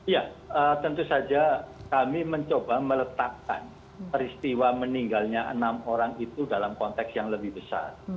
ya tentu saja kami mencoba meletakkan peristiwa meninggalnya enam orang itu dalam konteks yang lebih besar